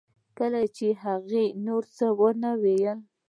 کله چې هغې نور څه ونه ویل